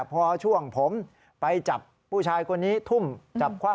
พอช่วงผมไปจับผู้ชายคนนี้ทุ่มจับคว่ำ